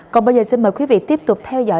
còn bây giờ xin mời quý vị tiếp tục theo dõi